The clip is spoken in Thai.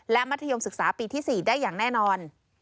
และมัธยมศึกษาปีที่๔ได้อย่างแน่นอน